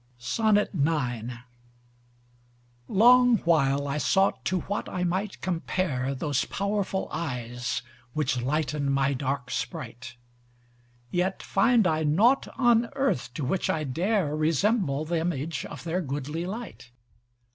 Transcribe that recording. IX Long while I sought to what I might compare Those powerful eyes, which lighten my dark sprite, Yet find I nought on earth to which I dare Resemble th'image of their goodly light.